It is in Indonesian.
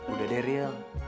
udah deh riel